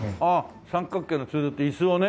三角形のスツールって椅子をね。